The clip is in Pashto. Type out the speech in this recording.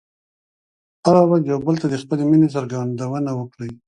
هره ورځ یو بل ته د خپلې مینې څرګندونه وکړئ.